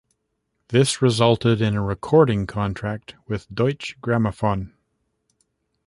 This resulted in a recording contract with Deutsche Grammophon.